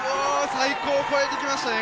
最高を超えてきましたね。